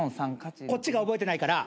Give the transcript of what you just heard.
こっちが覚えてないから。